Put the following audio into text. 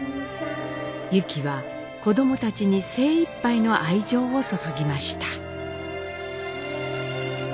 ユキは子どもたちに精いっぱいの愛情を注ぎました。